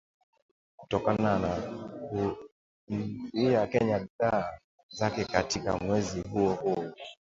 kutokana na kuiuzia Kenya bidhaa zake katika mwezi huo huo